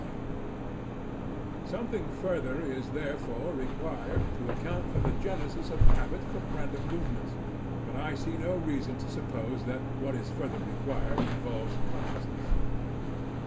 Something further is, therefore, required to account for the genesis of habit from random movements; but I see no reason to suppose that what is further required involves "consciousness."